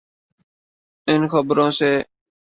ان خبروں سے؟